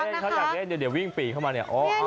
น่าจะเป็นลูกช้างนะ